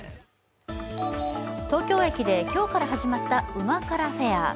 東京駅で今日から始まった旨辛フェア。